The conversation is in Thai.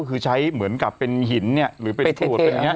ก็คือใช้เหมือนกับเป็นหินเนี่ยหรือเป็นขวดเป็นอย่างนี้